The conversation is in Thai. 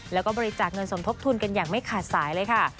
แล้วก็บริจาคเงินสมทบทุนกันอย่างไม่ขาดสายเลยค่ะ